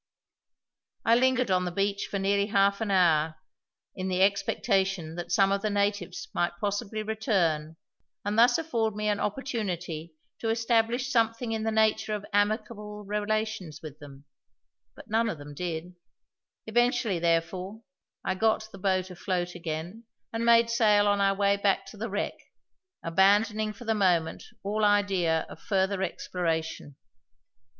I lingered on the beach for nearly half an hour, in the expectation that some of the natives might possibly return and thus afford me an opportunity to establish something in the nature of amicable relations with them; but none of them did; eventually, therefore, I got the boat afloat again and made sail on our way back to the wreck, abandoning for the moment all idea of further exploration.